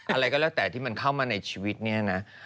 อะไรก็แล้วแต่ที่มันเข้ามาในชีวิตเนี่ยนะ